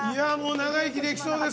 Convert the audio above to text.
長生きできそうです。